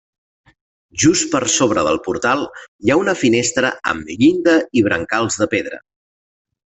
Just per sobre del portal hi ha una finestra amb llinda i brancals de pedra.